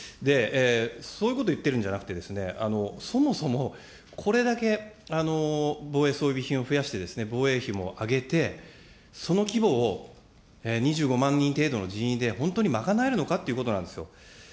そういうことを言ってるんじゃなくて、そもそも、これだけ防衛装備品を増やして、防衛費も上げて、その規模を２５万人程度の人員で本当に賄えるのかってことなんですよ。